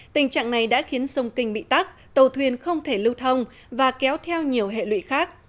tình trạng này đã khiến sông kinh bị tắt tàu thuyền không thể lưu thông và kéo theo nhiều hệ lụy khác